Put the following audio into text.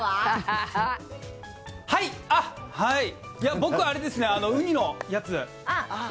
僕あれですね、ウニのやつ。